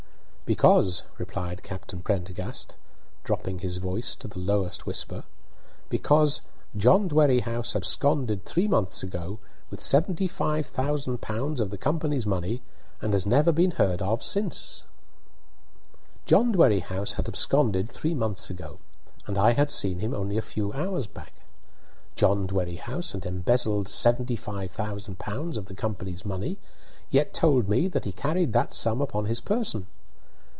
"Because" replied Captain Prendergast, dropping his voice to the lowest whisper "_because John Dwerrihouse absconded three months ago with seventy five thousand pounds of the company's money, and has never been heard of since_." John Dwerrihouse had absconded three months ago and I had seen him only a few hours back! John Dwerrihouse had embezzled seventy five thousand pounds of the company's money, yet told me that he carried that sum upon his person!